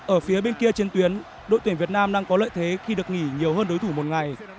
ở phía bên kia trên tuyến đội tuyển việt nam đang có lợi thế khi được nghỉ nhiều hơn đối thủ một ngày